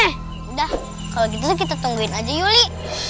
eh udah kalau gitu kita tungguin aja yuli